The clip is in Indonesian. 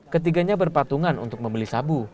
ketiganya berpatungan untuk membeli sabu